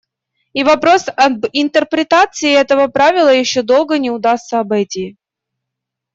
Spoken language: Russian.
И вопрос об интерпретации этого правила еще долго не удастся обойти;.